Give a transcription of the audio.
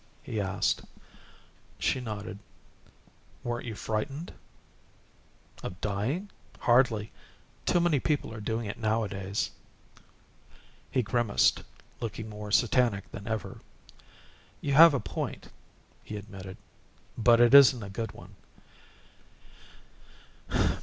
he asked. She nodded. "Weren't you frightened?" "Of dying? Hardly. Too many people are doing it nowadays." He grimaced, looking more satanic than ever. "You have a point," he admitted, "but it isn't a good one.